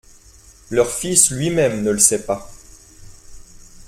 Leur fils lui-même ne le sait pas.